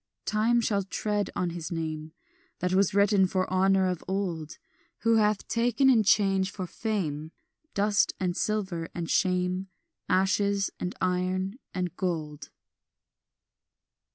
"Time shall tread on his name That was written for honour of old, Who hath taken in change for fame Dust, and silver, and shame, Ashes, and iron, and gold."